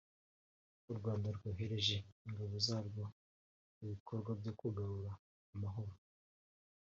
u Rwanda rwohereje ingabo zarwo mu bikorwa byo kugarura amahoro